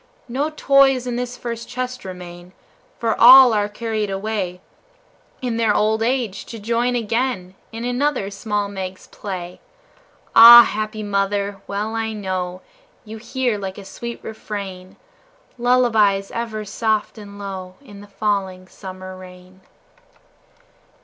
No toys in this first chest remain, For all are carried away, In their old age, to join again In another small Meg's play. Ah, happy mother! Well I know You hear, like a sweet refrain, Lullabies ever soft and low In the falling summer rain.